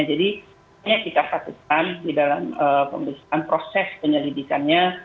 jadi ini kita patutkan di dalam proses penyelidikannya